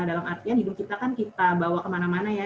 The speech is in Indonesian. dalam artian hidup kita kan kita bawa kemana mana ya